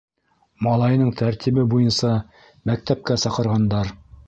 Малайының тәртибе буйынса мәктәпкә саҡырғандар.